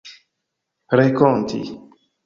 renkonti